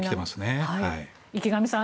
池上さん